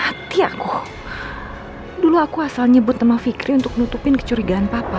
hai aku dulu aku asal nyebut sama fikri untuk nutupin kecurigaan papa